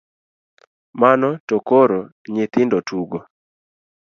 Mano to koro nyithindo tugo?